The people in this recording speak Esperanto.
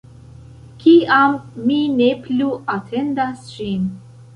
Kiam mi ne plu atendas ŝin.